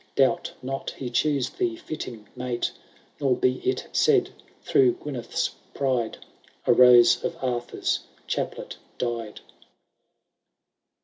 Doubt not he choose thee fitting mate ; Nor be it said, through Gyneth^s pride A rose of Arthur^ chaplet died.